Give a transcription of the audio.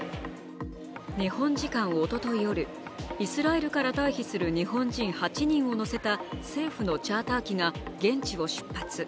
日本時間おととい夜、イスラエルから退避する日本人８人を乗せた政府のチャーター機が現地を出発。